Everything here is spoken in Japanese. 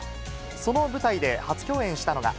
その舞台で初共演したのが。